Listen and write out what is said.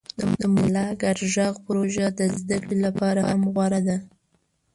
د موزیلا ګډ غږ پروژه د زده کړې لپاره هم غوره ده.